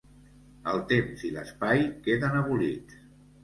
El temps i l'espai queden abolits.